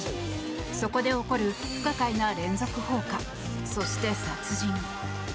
そこで起こる不可解な連続放火そして殺人。